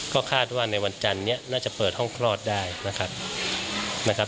ก็คาดว่าในวันจันทร์นี้น่าจะเปิดห้องคลอดได้นะครับ